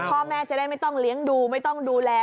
พ่อแม่จะได้ไม่ต้องเลี้ยงดูไม่ต้องดูแล